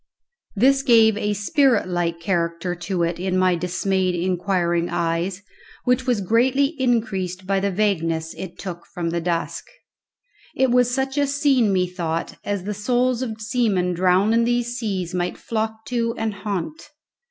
This gave a spirit like character to it in my dismayed inquiring eyes which was greatly increased by the vagueness it took from the dusk. It was such a scene, methought, as the souls of seamen drowned in these seas might flock to and haunt.